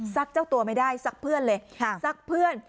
เจ้าตัวไม่ได้ซักเพื่อนเลยซักเพื่อน